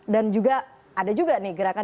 dan juga ada juga nih gerakan dan perkembangan